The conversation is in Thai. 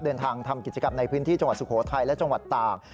เดินทางทำกิจกรรมในพื้นที่จังหวัดสุโขทัยและจังหวัดตาก